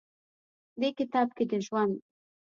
دې کتاب کښې د ژوند